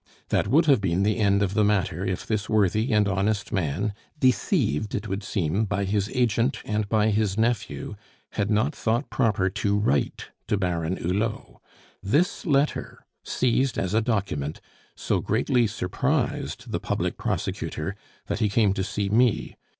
"That would have been the end of the matter if this worthy and honest man, deceived, it would seem, by his agent and by his nephew, had not thought proper to write to Baron Hulot. This letter, seized as a document, so greatly surprised the Public Prosecutor, that he came to see me.